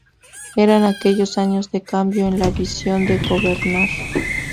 Eran aquellos años de cambio en la visión de gobernar.